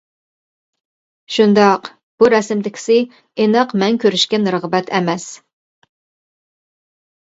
-شۇنداق، بۇ رەسىمدىكىسى ئېنىق مەن كۆرۈشكەن رىغبەت ئەمەس.